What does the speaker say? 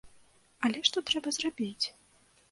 Але што трэба зрабіць?